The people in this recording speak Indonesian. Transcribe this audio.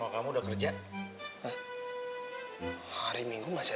pau padahal aku ridiculous pa